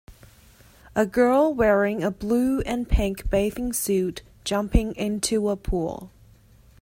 A girl wearing a blue and pink bathing suit jumping into a pool.